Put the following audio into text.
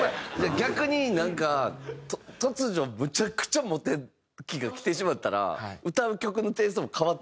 逆になんか突如むちゃくちゃモテ期がきてしまったら歌う曲のテイストも変わって。